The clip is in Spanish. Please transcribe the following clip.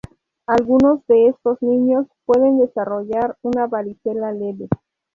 Algunos de estos niños pueden desarrollar una varicela leve.